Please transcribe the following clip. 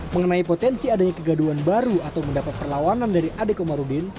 mengenai potensi adanya kegaduhan baru atau mendapat perlawanan dari ade komarudin